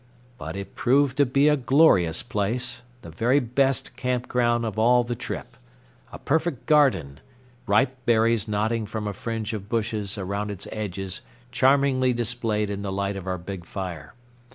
But it proved to be a glorious place, the very best camp ground of all the trip,—a perfect garden, ripe berries nodding from a fringe of bushes around its edges charmingly displayed in the light of our big fire.